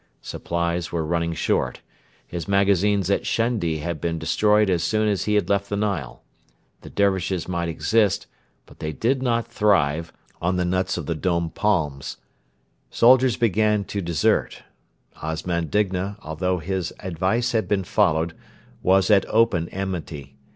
Supplies were running short. His magazines at Shendi had been destroyed as soon as he had left the Nile. The Dervishes might exist, but they did not thrive, on the nuts of the dom palms. Soldiers began to desert. Osman Digna, although his advice had been followed, was at open enmity.